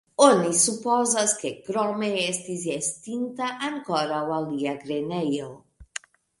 Oni supozas ke krome estis estinta ankoraŭ alia grenejo.